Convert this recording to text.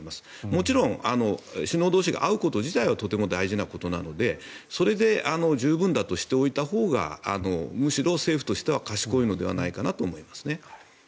もちろん首脳同士が合うこと自体はとても大事なことなのでそれで十分だとしておいたほうがむしろ政府としては賢いのではないかと思いますね。